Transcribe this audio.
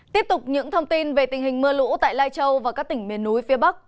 tiếp tục những thông tin về tình hình mưa lũ tại lai châu và các tỉnh miền núi phía bắc